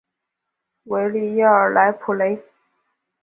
维利耶尔莱普雷。